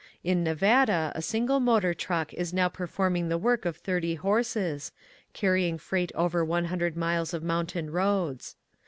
In Nevada a single motor truck is now performing the work of 30 horses, carry ing freight over 100 miles of mountain roads.